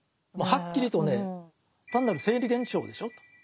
もうはっきりとね単なる生理現象でしょうと。